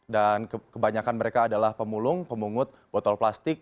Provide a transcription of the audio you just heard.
dan kebanyakan mereka adalah pemulung pemungut botol plastik